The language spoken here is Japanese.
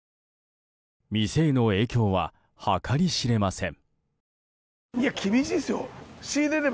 店への影響は計り知れません。